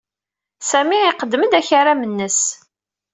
Sami iqeddem-d akaram-nnes.